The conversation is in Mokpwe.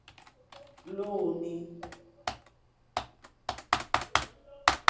Lúúnî.